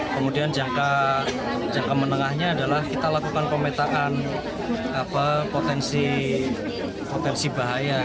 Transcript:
kemudian jangka menengahnya adalah kita lakukan pemetaan potensi bahaya